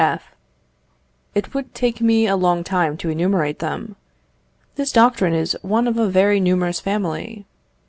F. It would take me a long time to enumerate them. This doctrine is one of a very numerous family.